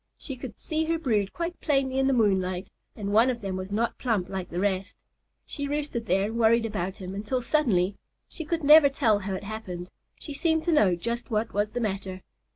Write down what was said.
She could see her brood quite plainly in the moonlight, and one of them was not plump like the rest. She roosted there and worried about him until suddenly (she could never tell how it happened) she seemed to know just what was the matter.